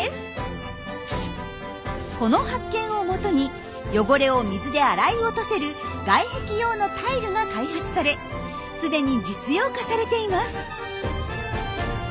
この発見をもとに汚れを水で洗い落とせる外壁用のタイルが開発されすでに実用化されています。